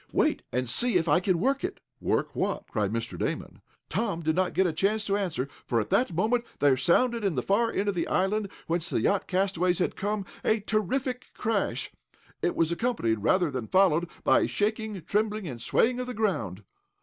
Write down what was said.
Wait and see if I can work it!" "Work what?" cried Mr. Damon. Tom did not get a chance to answer, for, at that moment, there sounded, at the far end of the island, whence the yacht castaways had come, a terrific crash. It was accompanied, rather than followed, by a shaking, trembling and swaying of the ground.